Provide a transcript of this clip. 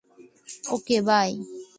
Okay, by.